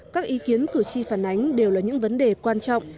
các ý kiến cử tri phản ánh đều là những vấn đề quan trọng